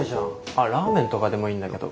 あっラーメンとかでもいいんだけど。